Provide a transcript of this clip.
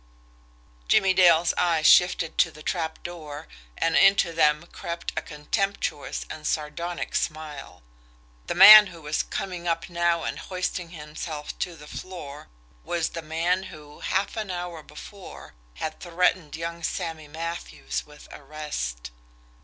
Jimmie Dale's eyes shifted to the trapdoor, and into them crept a contemptuous and sardonic smile the man who was coming up now and hoisting himself to the floor was the man who, half an hour before, had threatened young Sammy Matthews with arrest.